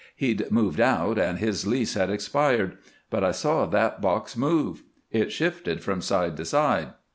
He'd moved out, and his lease had expired. But I saw that box move. It shifted from side to side.